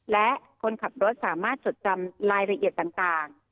และคนขับรถสามารถจดจำรายละเอียดต่าง